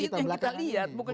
itu yang kita lihat